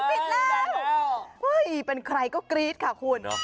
ปิดจะปิดอย่างไรปิดแล้วโอ๊ยเป็นใครก็กรี๊ดค่ะคุณ